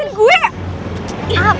rin tunggu deh